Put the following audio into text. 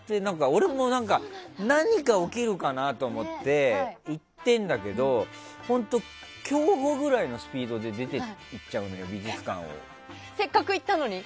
俺も、何か起きるかなと思って行ってるんだけど本当、競歩ぐらいのスピードで出て行っちゃうのよ、美術館を。